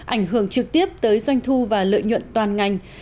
ảnh hưởng trực tiếp tới doanh thu và lợi nhuận toàn ngành